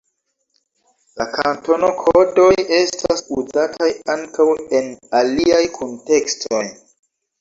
La kantono-kodoj estas uzataj ankaŭ en aliaj kuntekstoj.